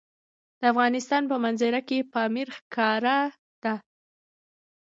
د افغانستان په منظره کې پامیر ښکاره ده.